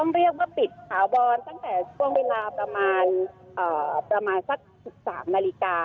เรียกว่าปิดถาวรตั้งแต่ช่วงเวลาประมาณสัก๑๓นาฬิกา